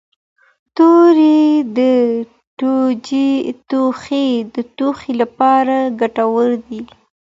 توري د ټوخي لپاره ګټور دي.